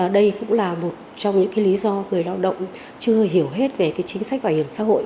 đây cũng là một trong những lý do người lao động chưa hiểu hết về chính sách bảo hiểm xã hội